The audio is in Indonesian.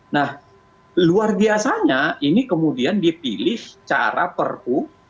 nah luar biasanya ini kemudian dipilih cara perpu